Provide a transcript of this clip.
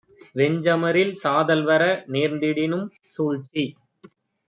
வெஞ்சமரில் சாதல்வர நேர்ந்திடினும் சூழ்ச்சி